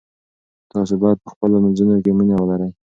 تاسو باید په خپلو منځونو کې مینه ولرئ.